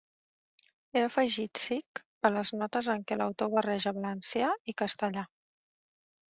He afegit 'sic' a les notes en què l’autor barreja valencià i castellà.